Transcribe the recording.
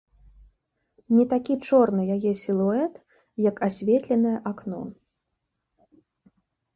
Не так чорны яе сілуэт, як асветленае акно.